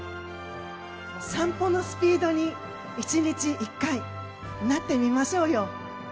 散歩のスピードに１日１回、なってみましょうよ。